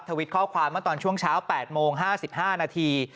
วิตข้อความเมื่อตอนช่วงเช้า๘โมง๕๕นาที